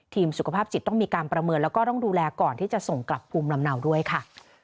สุขภาพจิตต้องมีการประเมินแล้วก็ต้องดูแลก่อนที่จะส่งกลับภูมิลำเนาด้วยค่ะ